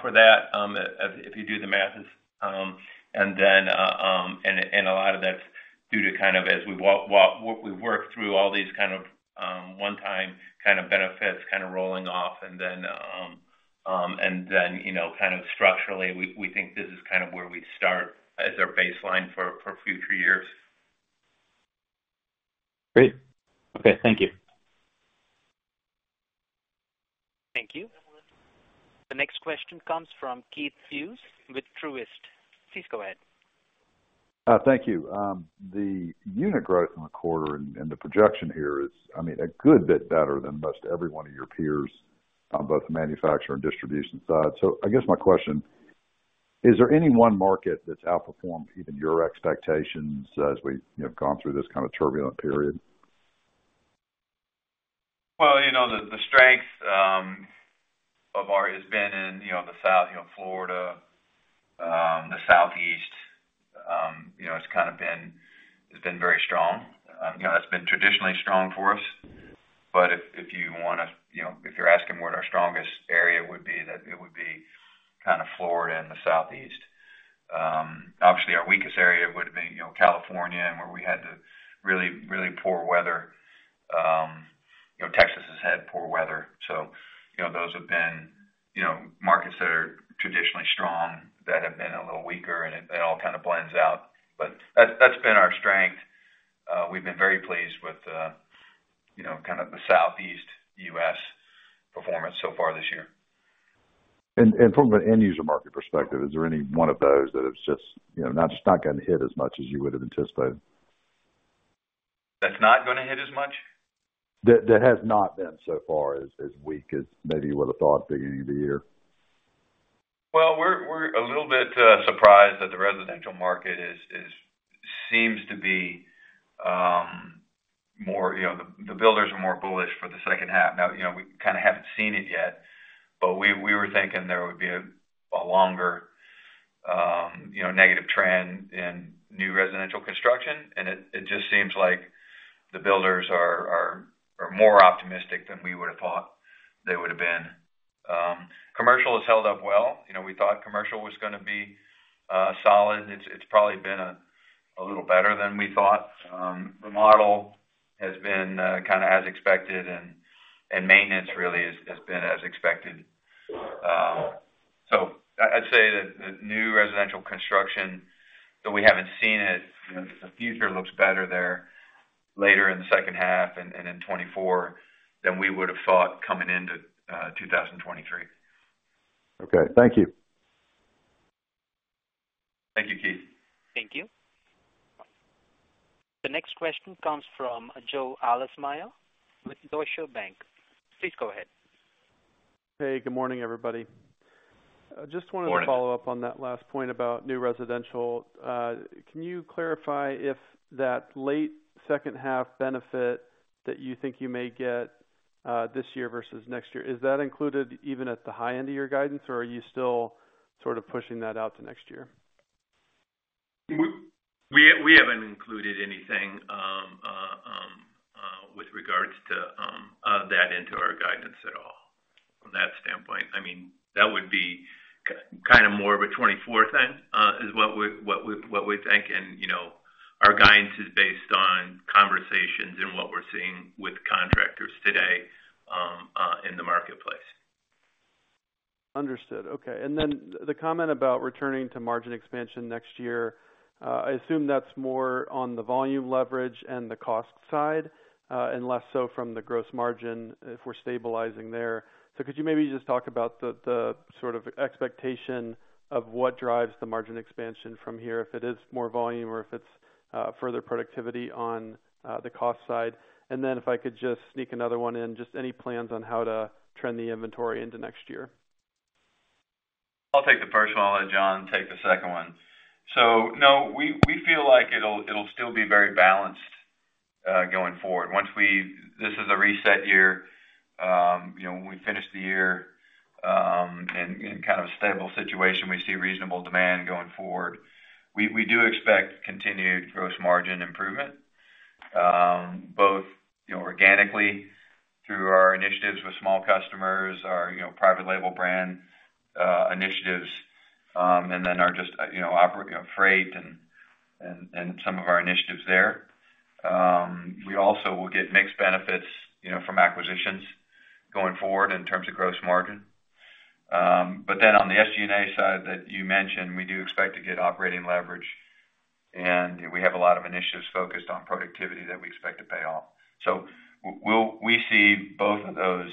for that, if, if you do the math. A lot of that's due to kind of as we work through all these kind of, one-time kind of benefits, kind of rolling off, and then, and then, you know, kind of structurally, we, we think this is kind of where we'd start as our baseline for, for future years. Great. Okay, thank you. Thank you. The next question comes from Keith Hughes with Truist. Please go ahead. Thank you. The unit growth in the quarter and, and the projection here is, I mean, a good bit better than most every one of your peers on both the manufacturer and distribution side. I guess my question, is there any one market that's outperformed even your expectations as we, you know, gone through this kind of turbulent period? Well, you know, the, the strength has been in, you know, the South, you know, Florida, the Southeast. You know, it's kind of been, it's been very strong. You know, it's been traditionally strong for us. If, if you wanna, you know, if you're asking what our strongest area would be, that it would be kind of Florida and the Southeast. Obviously, our weakest area would have been, you know, California, and where we had the really, really poor weather. You know, Texas has had poor weather, those have been, you know, markets that are traditionally strong, that have been a little weaker, and it, it all kind of blends out. That, that's been our strength. We've been very pleased with, you know, kind of the Southeast U.S. performance so far this year. From an end user market perspective, is there any one of those that has just, you know, just not gotten hit as much as you would have anticipated? That's not gonna hit as much? That, that has not been so far as, as weak as maybe you would have thought at the beginning of the year. Well, we're, we're a little bit, surprised that the residential market is, is seems to be, more... You know, the, the builders are more bullish for the second half. Now, you know, we kind of haven't seen it yet, but we, we were thinking there would be a, a longer, you know, negative trend in new residential construction, and it, it just seems like the builders are, are, are more optimistic than we would have thought they would have been. Commercial has held up well. You know, we thought commercial was gonna be, solid. It's, it's probably been a, a little better than we thought. The model has been, kind of as expected, and, and maintenance really has, has been as expected. I'd say that the new residential construction, though we haven't seen it, you know, the future looks better there later in the second half and, and in 2024 than we would have thought coming into 2023. Okay, thank you. Thank you, Keith. Thank you. The next question comes from Joe Ahlersmeyer with Deutsche Bank. Please go ahead. Hey, good morning, everybody. just wanted to- Good morning. Follow up on that last point about new residential. Can you clarify if that late second half benefit that you think you may get this year vs next year, is that included even at the high end of your guidance, or are you still sort of pushing that out to next year? We haven't included anything with regards to that into our guidance at all from that standpoint. I mean, that would be kind of more of a 2024 thing is what we, what we, what we think. You know, our guidance is based on conversations and what we're seeing with contractors today in the marketplace. Understood. Okay. Then the comment about returning to margin expansion next year, I assume that's more on the volume leverage and the cost side, and less so from the gross margin if we're stabilizing there. Could you maybe just talk about the sort of expectation of what drives the margin expansion from here, if it is more volume or if it's further productivity on the cost side? Then if I could just sneak another one in, just any plans on how to trend the inventory into next year? I'll take the first one, I'll let John take the second one. No, we, we feel like it'll, it'll still be very balanced, going forward. This is a reset year, you know, when we finish the year, in, in kind of a stable situation, we see reasonable demand going forward. We, we do expect continued gross margin improvement, both, you know, organically through our initiatives with small customers, our, you know, private label brand, initiatives, and then our just, you know, freight and, and, and some of our initiatives there. We also will get mixed benefits, you know, from acquisitions going forward in terms of gross margin. On the SG&A side that you mentioned, we do expect to get operating leverage, and we have a lot of initiatives focused on productivity that we expect to pay off. We see both of those,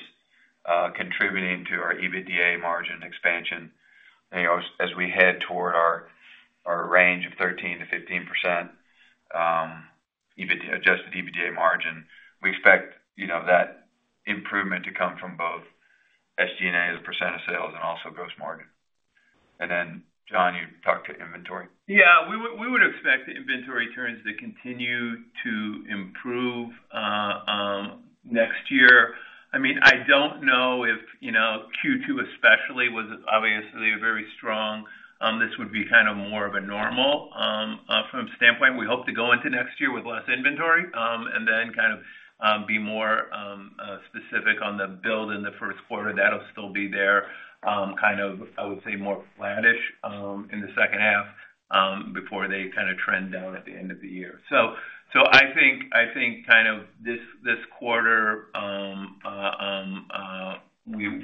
contributing to our EBITDA margin expansion, you know, as, as we head toward our, our range of 13%-15%, adjusted EBITDA margin. We expect, you know, that improvement to come from both SG&A as a percent of sales and also gross margin. Then, John, you talk to inventory. Yeah, we would, we would expect the inventory turns to continue to improve next year. I mean, I don't know if, you know, Q2 especially was obviously very strong. This would be kind of more of a normal from standpoint. We hope to go into next year with less inventory, and then kind of be more specific on the build in the first quarter. That'll still be there, kind of, I would say, more flattish in the second half, before they kind of trend down at the end of the year. I think, I think kind of this, this quarter,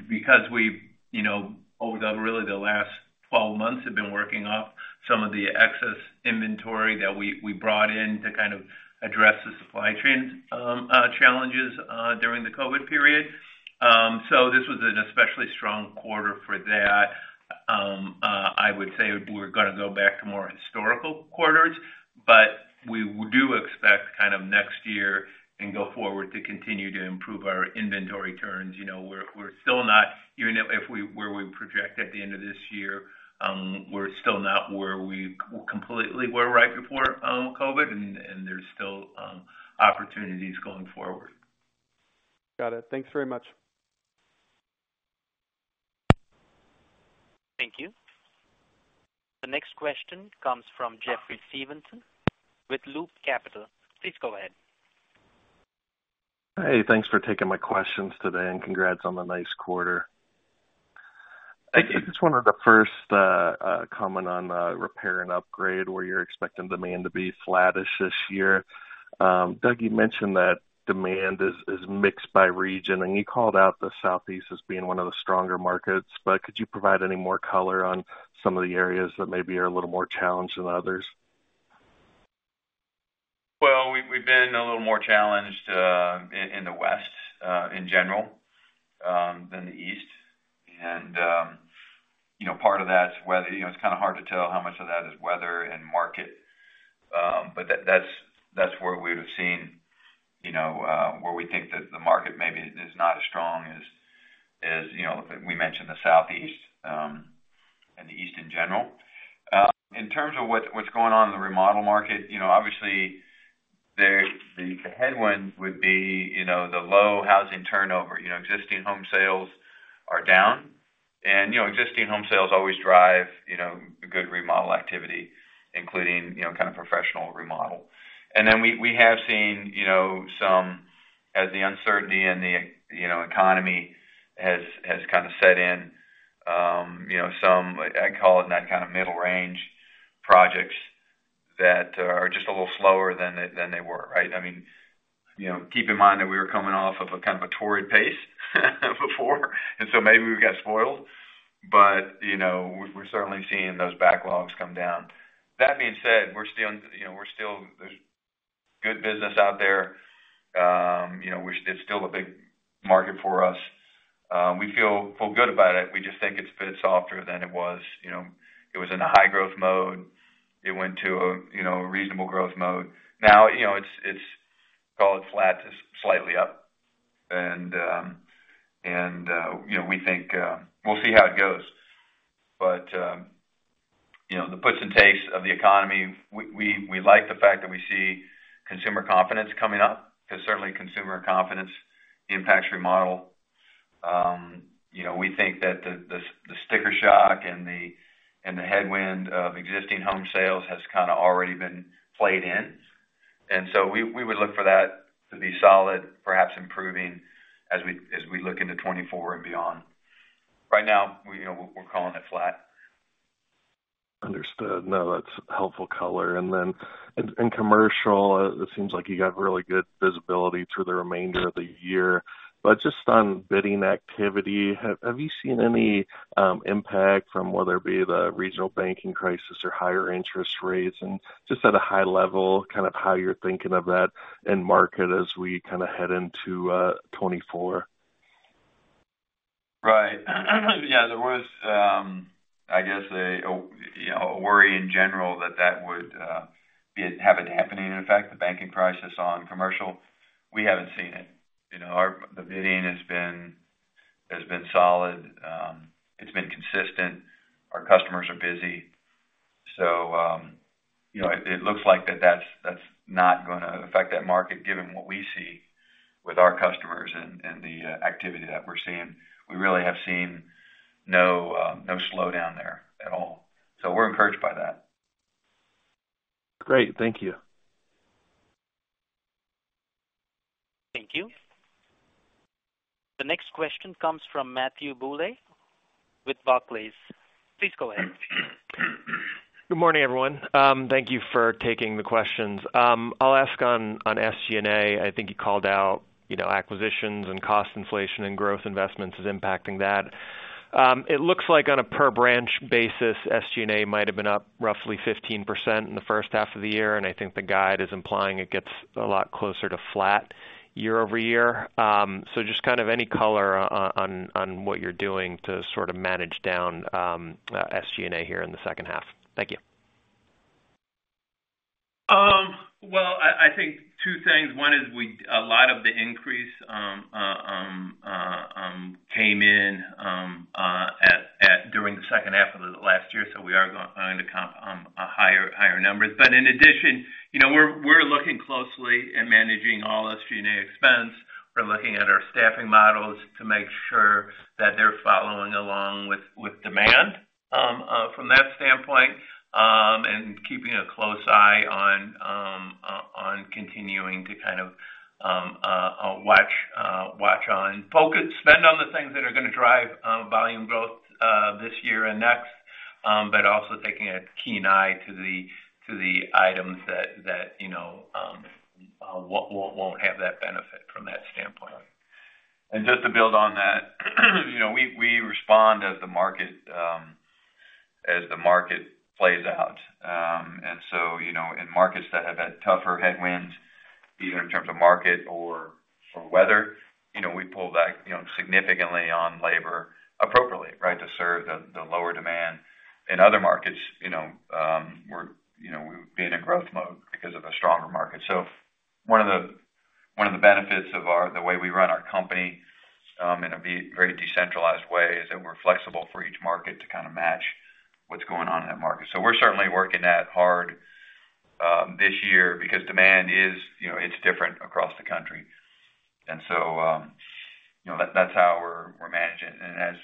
because we, you know, over the really the last 12 months, have been working off some of the excess inventory that we, we brought in to kind of address the supply chain challenges during the COVID period. This was an especially strong quarter for that. I would say we're gonna go back to more historical quarters, but we do expect kind of next year and go forward to continue to improve our inventory turns. You know, we're, we're still not... Even if, if we, where we project at the end of this year, we're still not where we completely were right before COVID, and, and there's still opportunities going forward. Got it. Thanks very much. Thank you. The next question comes from Jeffrey Stevenson with Loop Capital. Please go ahead. Hey, thanks for taking my questions today, and congrats on the nice quarter. I just wanted the first comment on Repair and Upgrade, where you're expecting demand to be flattish this year. Doug, you mentioned that demand is, is mixed by region, and you called out the Southeast as being one of the stronger markets. Could you provide any more color on some of the areas that maybe are a little more challenged than others? Well, we've, we've been a little more challenged in the West in general than the East. You know, part of that's weather. You know, it's kind of hard to tell how much of that is weather and market, but that's, that's where we would have seen, you know, where we think that the market maybe is not as strong as, as, you know, we mentioned the Southeast and the East in general. In terms of what, what's going on in the remodel market, you know, obviously, the, the headwinds would be, you know, the low housing turnover. You know, existing home sales are down, and, you know, existing home sales always drive, you know, good remodel activity, including, you know, kind of professional remodel. We, we have seen, you know, some as the uncertainty in the economy has, has kind of set in, you know, some, I'd call it, not kind of middle range projects that are just a little slower than they, than they were, right? I mean, you know, keep in mind that we were coming off of a kind of a torrid pace before, and so maybe we got spoiled, but, you know, we're, we're certainly seeing those backlogs come down. That being said, we're still, you know, we're still there's good business out there. You know, we're it's still a big market for us. We feel, feel good about it. We just think it's a bit softer than it was. You know, it was in a high growth mode. It went to a, you know, reasonable growth mode. Now, you know, it's call it flat to slightly up. You know, we think we'll see how it goes. You know, the puts and takes of the economy, we, we, we like the fact that we see consumer confidence coming up, because certainly consumer confidence impacts remodel. You know, we think that the, the, the sticker shock and the, and the headwind of existing home sales has kind of already been played in. We, we would look for that to be solid, perhaps improving as we, as we look into 2024 and beyond. Right now, we, you know, we're calling it flat. Understood. No, that's helpful color. In commercial, it seems like you got really good visibility through the remainder of the year. Just on bidding activity, have you seen any impact from whether it be the regional banking crisis or higher interest rates? Just at a high level, kind of how you're thinking of that in market as we kind of head into 2024. Right. Yeah, there was, I guess, a, a, you know, a worry in general that that would have a dampening effect, the banking crisis on commercial. We haven't seen it. You know, the bidding has been, has been solid. It's been consistent. Our customers are busy. You know, it looks like that's not gonna affect that market, given what we see with our customers and the activity that we're seeing. We really have seen no, no slowdown there at all. We're encouraged by that. Great. Thank you. Thank you. The next question comes from Matthew Bouley with Barclays. Please go ahead. Good morning, everyone. Thank you for taking the questions. I'll ask on SG&A. I think you called out, you know, acquisitions and cost inflation and growth investments as impacting that. It looks like on a per-branch basis, SG&A might have been up roughly 15% in the first half of the year, I think the guide is implying it gets a lot closer to flat year-over-year. Just kind of any color on what you're doing to sort of manage down, SG&A here in the second half? Thank you. Well, I, I think two things. One is we... a lot of the increase came in at, at, during the second half of the last year, we are going to comp a higher, higher numbers. In addition, you know, we're, we're looking closely at managing all SG&A expense. We're looking at our staffing models to make sure that they're following along with, with demand from that standpoint, and keeping a close eye on continuing to kind of watch, watch on. Focus spend on the things that are gonna drive volume growth this year and next, also taking a keen eye to the, to the items that, that, you know, won't, won't, won't have that benefit from that standpoint. Just to build on that, you know, we, we respond as the market, as the market plays out. You know, in markets that have had tougher headwinds, either in terms of market or, or weather, you know, we pull back, you know, significantly on labor appropriately, right? To serve the, the lower demand. In other markets, you know, we're, you know, we would be in a growth mode because of a stronger market. One of the, one of the benefits of our-- the way we run our company, in a very decentralized way, is that we're flexible for each market to kind of match what's going on in that market. We're certainly working that hard, this year because demand is, you know, it's different across the country. You know, that's how we're, we're managing. As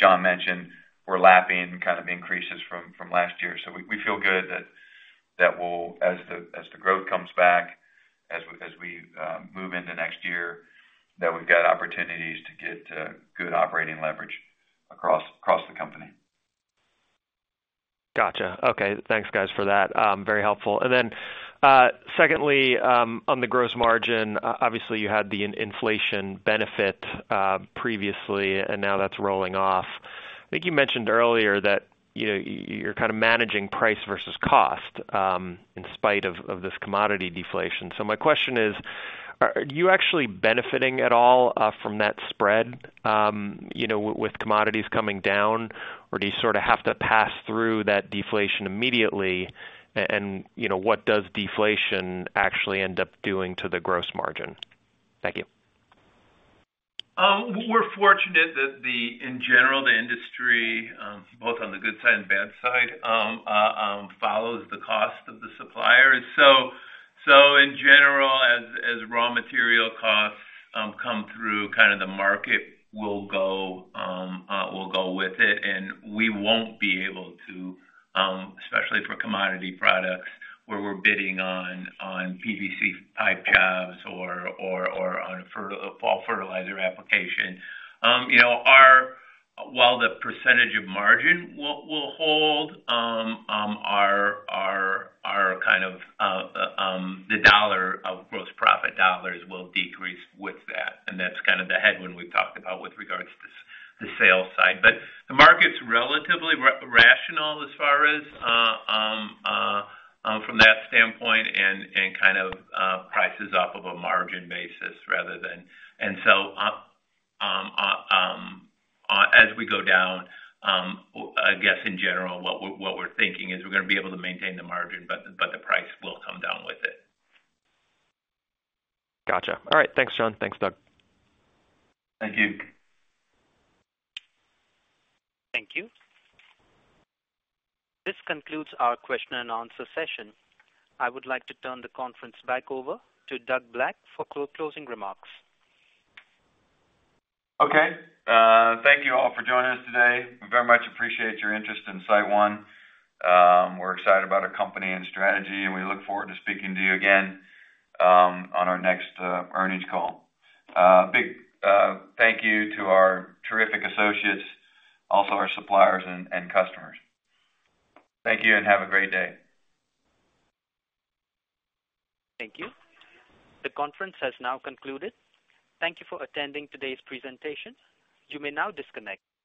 John mentioned, we're lapping kind of increases from, from last year. We, we feel good that, that we'll as the, as the growth comes back, as we, as we, move into next year, that we've got opportunities to get, good operating leverage across, across the company. Gotcha. Okay. Thanks, guys, for that. Very helpful. Secondly, on the gross margin, obviously, you had the inflation benefit, previously, and now that's rolling off. I think you mentioned earlier that, you know, you're kind of managing price vs cost, in spite of, of this commodity deflation. So my question is, are, are you actually benefiting at all, from that spread, you know, with commodities coming down, or do you sort of have to pass through that deflation immediately? What does deflation actually end up doing to the gross margin? Thank you. We're fortunate that the... in general, the industry, both on the good side and bad side, follows the cost of the supplier. In general, as raw material costs come through, kind of the market will go, will go with it, and we won't be able to, especially for commodity products, where we're bidding on PVC pipe jobs or, or, or on fall fertilizer application. You know, while the % of margin will, will hold, our, our, our kind of, the dollar gross profit dollars will decrease with that. That's kind of the headwind we've talked about with regards to the sales side. The market's relatively rational as far as from that standpoint, and kind of prices up of a margin basis rather than. As we go down, I guess in general, what we're, what we're thinking is we're gonna be able to maintain the margin, but the price will come down with it. Gotcha. All right. Thanks, John. Thanks, Doug. Thank you. Thank you. This concludes our question and answer session. I would like to turn the conference back over to Doug Black for closing remarks. Okay. Thank you all for joining us today. We very much appreciate your interest in SiteOne. We're excited about our company and strategy, and we look forward to speaking to you again on our next earnings call. Big thank you to our terrific associates, also our suppliers and, and customers. Thank you, and have a great day. Thank you. The conference has now concluded. Thank you for attending today's presentation. You may now disconnect.